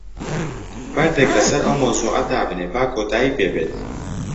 بەردێک لەسەر ئەو مەوزوعە دابنێ، با کۆتایی پێ بێت.